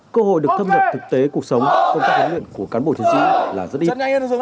cơ hội được thâm nhập thực tế cuộc sống công tác huấn luyện của cán bộ chiến sĩ là rất ít